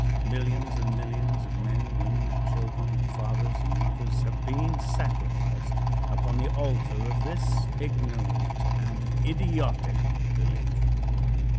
Millions and millions of men, women and children, of fathers and mothers, have been sacrificed upon the altar of this ignorant and idiotic belief.